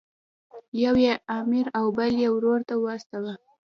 یو یې امیر او بل یې ورور ته واستاوه.